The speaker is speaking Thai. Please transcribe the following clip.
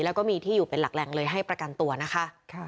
แล้วก็มีที่อยู่เป็นหลักแหล่งเลยให้ประกันตัวนะคะ